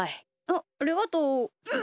あっありがとう。